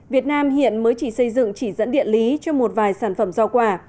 việt nam hiện mới chỉ xây dựng chỉ dẫn điện lý cho một vài sản phẩm giao quả